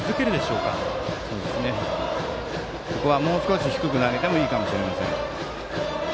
ここは、もう少し低く投げてもいいかもしれません。